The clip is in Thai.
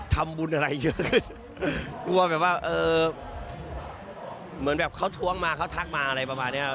ทำบุญอะไรเยอะกลัวแบบว่าเออเหมือนแบบเขาทวงมาเขาทักมาอะไรประมาณนี้ครับ